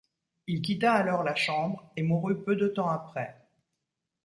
Il quitta alors la Chambre et mourut peu de temps après.